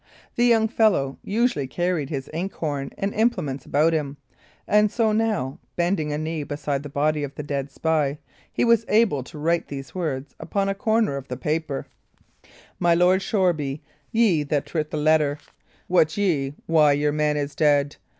The young fellow usually carried his ink horn and implements about him, and so now, bending a knee beside the body of the dead spy, he was able to write these words upon a corner of the paper: My Lord of Shoreby, ye that writt the letter, wot ye why your man is ded?